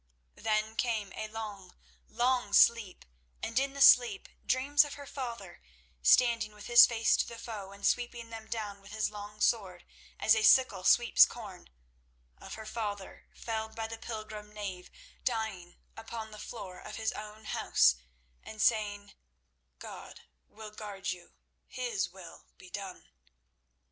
Then came a long, long sleep, and in the sleep dreams of her father standing with his face to the foe and sweeping them down with his long sword as a sickle sweeps corn—of her father felled by the pilgrim knave, dying upon the floor of his own house, and saying "God will guard you. His will be done."